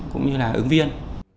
cũng như là ứng viên